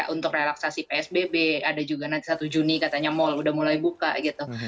untuk relaksasi psbb ada juga nanti satu juni katanya mall udah mulai buka gitu